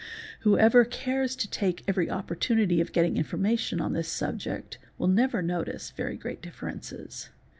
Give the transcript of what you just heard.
Whoever : cares to take every opportunity of getting information on this subject will _ never notice very great differences.